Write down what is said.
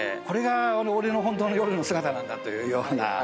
これが俺の本当の夜の姿なんだというような。